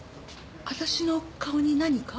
私の顔に何か？